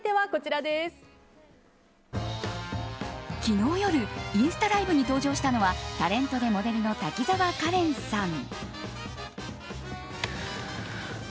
昨日夜、インスタライブに登場したのはタレントでモデルの滝沢カレンさん。